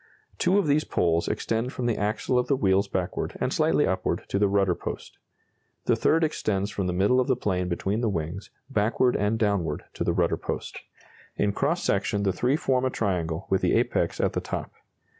Two of these poles extend from the axle of the wheels backward and slightly upward to the rudder post. The third extends from the middle of the plane between the wings, backward and downward to the rudder post. In cross section the three form a triangle with the apex at the top.